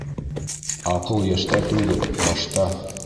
Аҡыл йәштә түгел, башта.